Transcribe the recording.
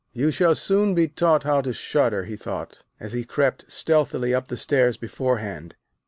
'You shall soon be taught how to shudder!' he thought, as he crept stealthily up the stairs beforehand.